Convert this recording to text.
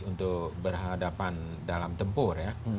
untuk berhadapan dalam tempur ya